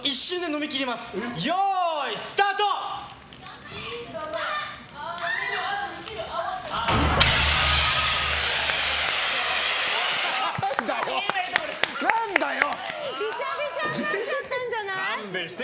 びちゃびちゃになっちゃったんじゃない？